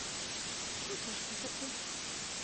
Куды ж гэта ты?